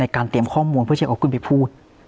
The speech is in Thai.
การเตรียมข้อมูลเพื่อเชียงของคุณไปพูด